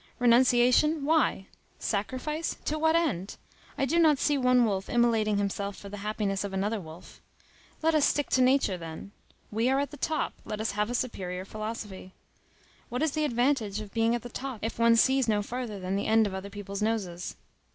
Renunciation; why? Sacrifice; to what end? I do not see one wolf immolating himself for the happiness of another wolf. Let us stick to nature, then. We are at the top; let us have a superior philosophy. What is the advantage of being at the top, if one sees no further than the end of other people's noses?